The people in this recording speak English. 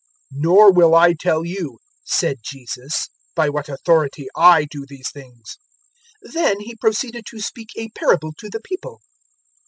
020:008 "Nor will I tell you," said Jesus, "by what authority I do these things." 020:009 Then He proceeded to speak a parable to the people.